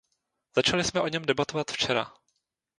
Začali jsme o něm debatovat včera.